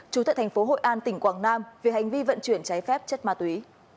trú tại thành phố hội an tỉnh quảng nam về hành vi vận chuyển trái phép chất ma túy